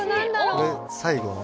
これ最後の？